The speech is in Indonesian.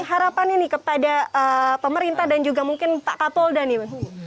harapannya nih kepada pemerintah dan juga mungkin pak kapolda nih